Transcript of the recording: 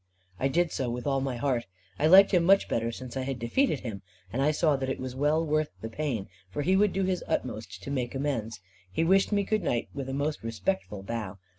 I did so with all my heart. I liked him much better since I had defeated him; and I saw that it was well worth the pain, for he would do his utmost to make amends. He wished me good night with a most respectful bow.